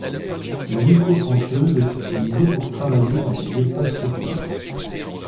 La micro trancheuse est utilisée pour travailler dans des espaces urbains.